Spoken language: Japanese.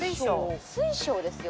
水晶ですよ。